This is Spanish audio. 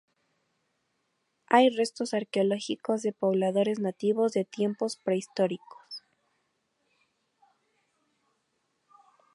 Hay restos arqueológicos de pobladores nativos de tiempos prehistóricos.